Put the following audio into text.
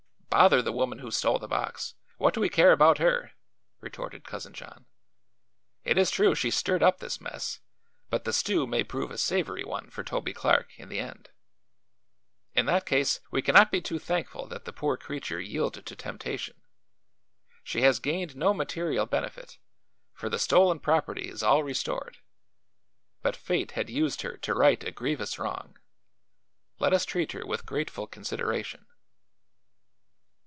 "Bother the woman who stole the box! What do we care about her?" retorted Cousin John. "It is true she stirred up this mess, but the stew may prove a savory one for Toby Clark, in the end. In that case we cannot be too thankful that the poor creature yielded to temptation. She has gained no material benefit, for the stolen property is all restored; but fate had used her to right a grievous wrong. Let us treat her with grateful consideration."